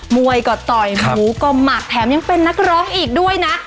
มวยก็ต่อยหมูก็หมักแถมยังเป็นนักร้องอีกด้วยนะ